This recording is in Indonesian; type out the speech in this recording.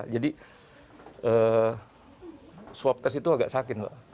jadi swab test itu agak sakit mbak